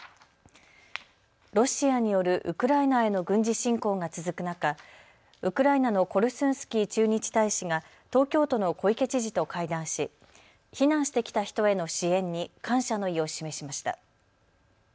ロシアによるウクライナへの軍事侵攻が続く中、ウクライナのコルスンスキー駐日大使が東京都の小池知事と会談し避難してきた人への支援に感謝の意を示しました。